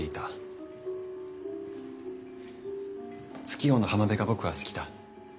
「月夜の浜辺」が僕は好きだ。